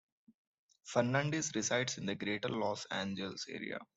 Fernandez resides in the Greater Los Angeles area.